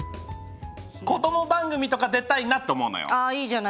子供番組とか出たいなと思うのよ。